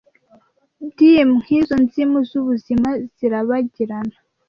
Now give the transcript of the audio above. Dim nkizo nzimu zubuzima zirabagirana